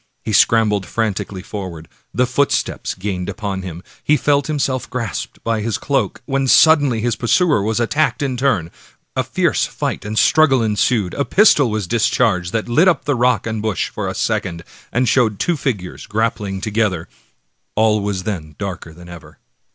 He scrambled frantically forward. The footsteps gained upon him. He felt himself grasped by his cloak, when suddenly his pursuer was attacked in turn ; a fierce fight and struggle ensued, a pistol was discharged that lit up rock and bush for a second, and show^ed two figures grappling together ,' A swift, disorderly movement. 2Td Washington Irving all was then darker than ever.